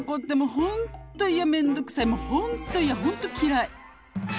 「ホントいやめんどくさい」「ホントイヤホント嫌い」